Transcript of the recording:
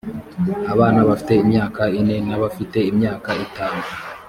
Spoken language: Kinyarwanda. abana bafite imyaka ine n’abafite imyaka itanu